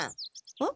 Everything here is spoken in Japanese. あ？